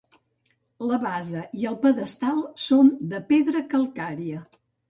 La base i el pedestal són de pedra calcària.